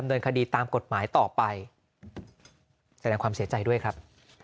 เงินคดีตามกฎหมายต่อไปแสดงความเสียใจด้วยครับ